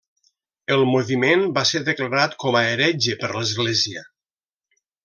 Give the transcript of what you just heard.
El moviment va ser declarat com a heretge per l'Església.